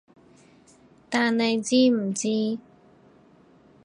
但你知唔知